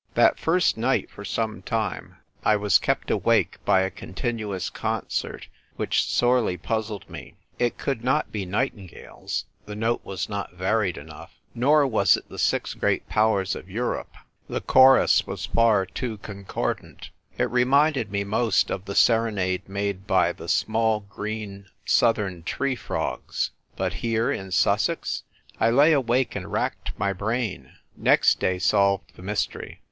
That first night, for some time, I was kept awake by a continuous concert, which sorely puzzled me. It could not be nightingales — the note was not varied enough ; nor was it the Six Great Powers of Europe — the chorus THE INNER BROTHERHOOD. d'J was far too concordant. It reminded me most of the serenade made by the small green southern tree frogs ; but here, in Sussex ! I lay awake and racked my brain. Next day solved the m3'stery.